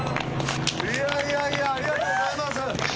いやいやいやありがとうございます！